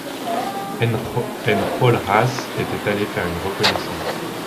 Enjolras était allé faire une reconnaissance.